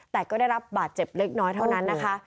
แต่ก็ได้รับบาดเจ็บเล็กน้อยเท่านั้นนะคะ